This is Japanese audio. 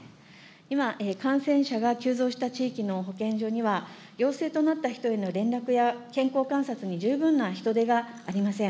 今、感染者が急増した地域の保健所には、陽性となった人への連絡や健康観察に十分な人手がありません。